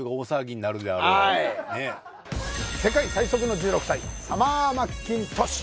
世界最速の１６歳サマー・マッキントッシュ